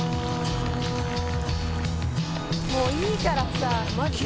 「もういいからさマジで」